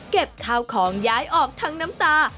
ข้าวของย้ายออกทั้งน้ำตา